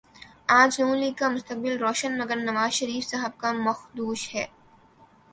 آج نون لیگ کا مستقبل روشن مگر نوازشریف صاحب کا مخدوش ہے